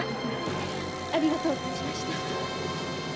ありがとう存じました。